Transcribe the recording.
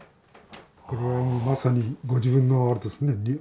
これもまさにご自分のあれですね